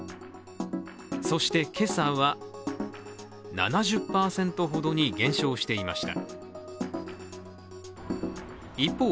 そして今朝は、７０％ほどに減少していました。